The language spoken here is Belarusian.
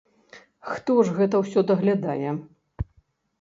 Хто ж гэта ўсё даглядае?